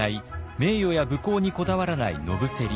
名誉や武功にこだわらない野伏。